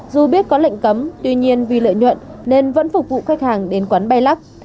dù biết có lệnh cấm tuy nhiên vì lợi nhuận nên vẫn phục vụ khách hàng đến quán bay lắc